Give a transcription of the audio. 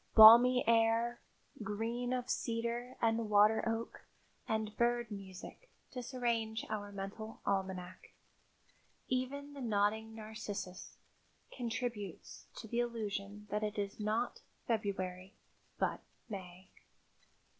Balmy air, green of cedar and water oak and bird music disarrange our mental almanac. Even the nodding narcissus contributes to the illusion that it is not February, but May.